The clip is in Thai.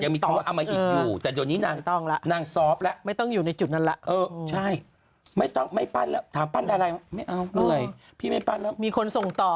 แม้นางจะบ่าบ่อทุกวันนี้จริง